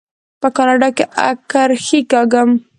په کاناډا کې اکرښې کاږم.